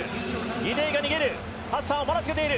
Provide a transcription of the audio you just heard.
ギデイが逃げる。